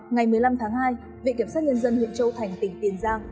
ngày một mươi năm tháng hai viện kiểm sát nhân dân huyện châu thành tỉnh tiền giang